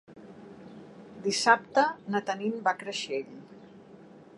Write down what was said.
Dissabte na Tanit va a Creixell.